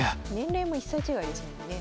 年齢も１歳違いですもんね。